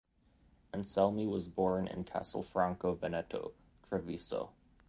Anselmi was born in Castelfranco Veneto, Treviso.